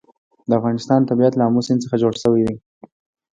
د افغانستان طبیعت له آمو سیند څخه جوړ شوی دی.